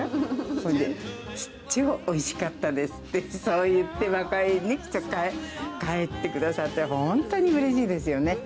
それで、超おいしかったですってそう言って若い人が帰ってくださって、本当にうれしいですよね。